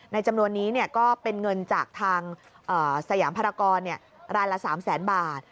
จำนวนนี้ก็เป็นเงินจากทางสยามภารกรรายละ๓แสนบาท